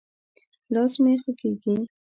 لاس مې خوږېږي.